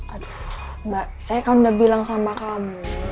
aduh mbak saya kan udah bilang sama kamu